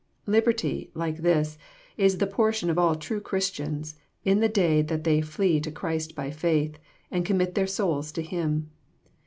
— Liberty, like this, is the portion of all true Christians in the day that they flee to Christ by faith, and commit their souls to Him.